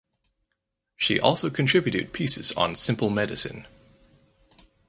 She also contributed pieces on simple medicine.